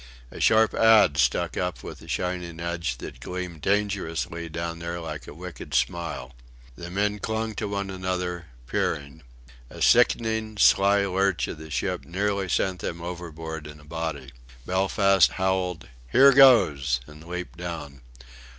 A sharp adze stuck up with a shining edge that gleamed dangerously down there like a wicked smile. The men clung to one another, peering. A sickening, sly lurch of the ship nearly sent them overboard in a body. Belfast howled "Here goes!" and leaped down.